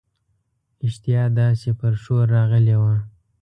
اشتها داسي پر ښور راغلې وه.